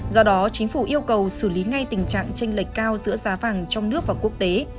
do đó chính phủ yêu cầu xử lý ngay tình trạng tranh lệch cao giữa giá vàng trong nước và quốc tế